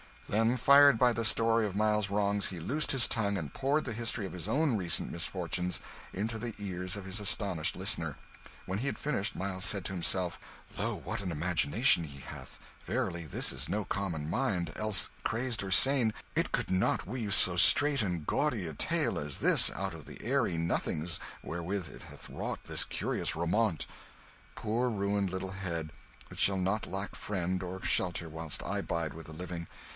Then, fired by the story of Miles's wrongs, he loosed his tongue and poured the history of his own recent misfortunes into the ears of his astonished listener. When he had finished, Miles said to himself "Lo, what an imagination he hath! Verily, this is no common mind; else, crazed or sane, it could not weave so straight and gaudy a tale as this out of the airy nothings wherewith it hath wrought this curious romaunt. Poor ruined little head, it shall not lack friend or shelter whilst I bide with the living.